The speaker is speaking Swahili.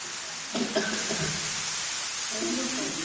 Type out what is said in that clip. watu wengi wanafikiria kuunda redio ya mtandao